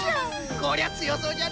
こりゃつよそうじゃのう！